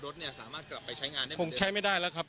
รถเนี่ยสามารถกลับไปใช้งานได้คงใช้ไม่ได้แล้วครับ